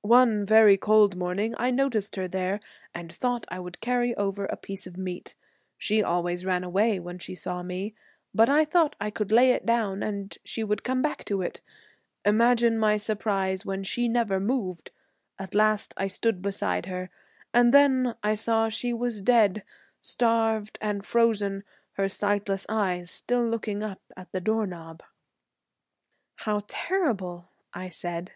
One very cold morning I noticed her there and thought I would carry over a piece of my meat. She always ran away when she saw me, but I thought I could lay it down and she would come back to it. Imagine my surprise when she never moved. At last I stood beside her, and then I saw she was dead; starved and frozen, her sightless eyes still looking up at the door knob." "How terrible!" I said.